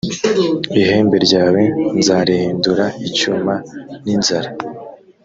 ihembe ryawe nzarihindura icyuma n inzara